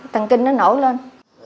thần kinh nó nổi lên